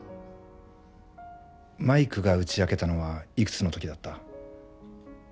マイクが打ち明けたのはいくつの時だった？